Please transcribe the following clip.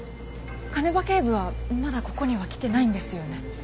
鐘場警部はまだここには来てないんですよね？